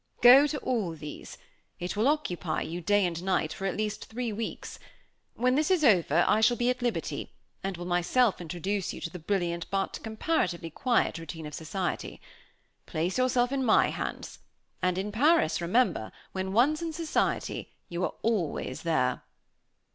Go to all these. It will occupy you, day and night, for at least three weeks. When this is over, I shall be at liberty, and will myself introduce you to the brilliant but comparatively quiet routine of society. Place yourself in my hands; and in Paris remember, when once in society, you are always there."